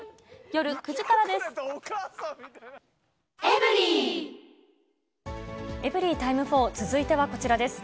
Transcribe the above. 夜９時からです。